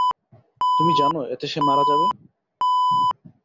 তুমি জানো এতে সে মারা যাবে।